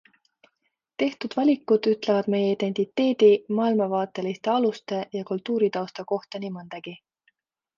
Tehtud valikud ütlevad meie identiteedi, maailmavaateliste aluste ja kultuuritausta kohta nii mõndagi.